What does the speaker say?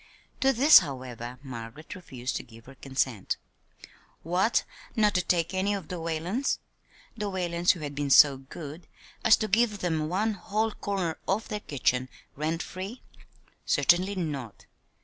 To this, however, Margaret refused to give her consent. What, not take any of the Whalens the Whalens who had been so good as to give them one whole corner of their kitchen, rent free? Certainly not!